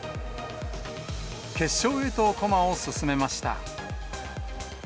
決勝へと駒を進めました。